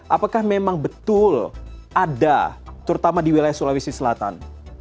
apakah memang betul ada terutama di wilayah sulawesi selatan